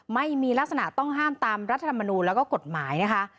ไม่มีลักษณะต้องห้ามตามรัฐธรรมนูลแล้วก็กฎหมายนะคะ